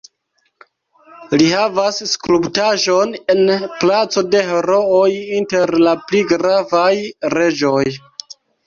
Li havas skulptaĵon en Placo de Herooj inter la pli gravaj reĝoj.